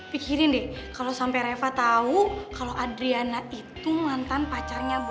pikirin deh kalo sampe reva tau kalo adriana itu mantan pacarnya boy